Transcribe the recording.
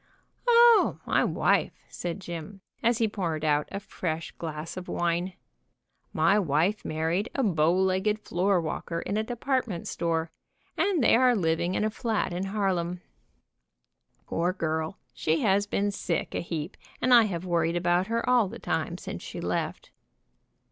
"O, my wife," said Jim, as he poured out a fresh QUEER CASE IN NEW YORK 215 glass of wine. "My wife married a bow legged floor walker in a department store, and they are living in a flat in Harlem. Poor girl, she has been sick a heap, and I have worried about her all the time since she left."